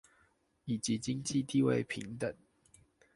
以及經濟地位平等